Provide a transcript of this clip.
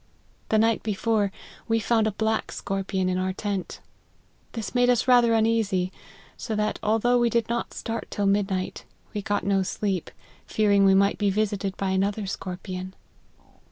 The night before, we found a black scorpion in our tent ; this made us rather uneasy ; so that, although we did not start till midnight, we got no sleep, fearing we might be visited by another scorpion.